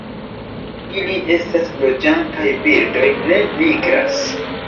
Ili estas loĝantaj birdoj, ne migras.